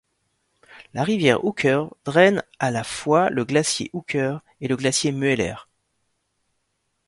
La rivière Hooker draine à la fois le glacier Hooker et le glacier Mueller.